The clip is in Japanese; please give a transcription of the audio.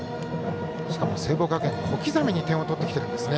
しかも聖望学園、小刻みに点を取ってきてるんですね。